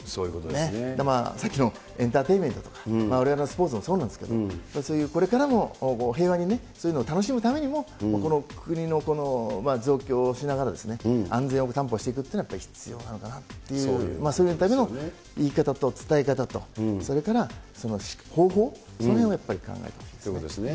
さっきのエンターテインメントとか、われわれのスポーツもそうなんですけど、そういうこれからも平和にそういうのを楽しむためにも、この国の増強をしながら、安全を担保していくというのは必要なのかなっていう、それだけの言い方と伝え方と、それから方法、そのへんをやっぱり考えてほしいですね。